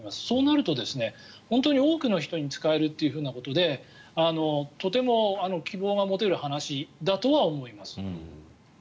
そうなると本当に多くの人に使えるということでとても希望が持てる話だとは思います。